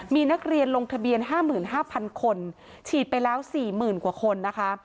มีนักเรียนลงทะเบียน๕๕๐๐คนฉีดไปแล้ว๔๐๐๐กว่าคนนะคะ